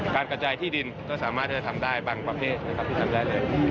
การกระจายที่ดินก็สามารถที่จะทำได้บางประเภทนะครับที่ทำได้เลย